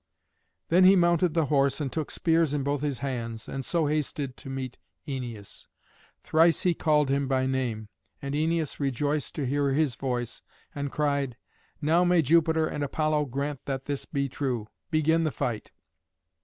Then he mounted the horse and took spears in both his hands, and so hasted to meet Æneas. Thrice he called him by name, and Æneas rejoiced to hear his voice, and cried, "Now may Jupiter and Apollo grant that this be true. Begin the fight."